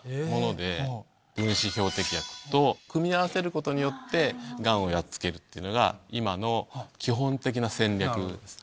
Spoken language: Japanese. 分子標的薬と組み合わせることによってガンをやっつけるというのが今の基本的な戦略です。